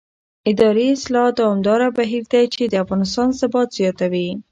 اداري اصلاح دوامداره بهیر دی چې د افغانستان ثبات زیاتوي